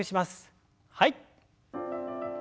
はい。